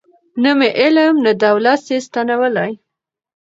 نه مي علم نه دولت سي ستنولای